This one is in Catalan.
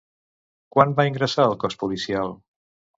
Quan va ingressar al cos policial?